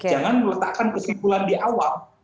jangan meletakkan kesimpulan di awal